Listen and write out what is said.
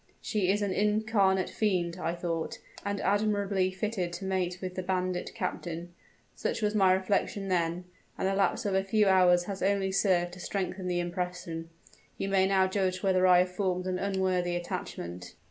'She is an incarnate fiend,' I thought, 'and admirably fitted to mate with the bandit captain.' Such was my reflection then; and the lapse of a few hours has only served to strengthen the impression. You may now judge whether I have formed an unworthy attachment!"